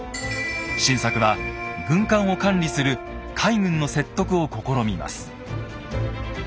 晋作は軍艦を管理する海軍の説得を試みます。